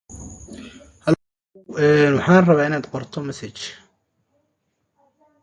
This merger of services has allowed for improved transit for citizens of Oneida County.